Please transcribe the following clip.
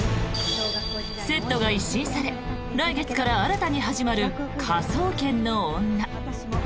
セットが一新され来月から新たに始まる「科捜研の女」。